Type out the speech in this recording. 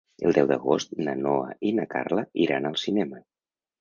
El deu d'agost na Noa i na Carla iran al cinema.